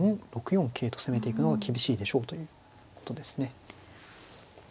６四桂と攻めていくのが厳しいでしょうということですね。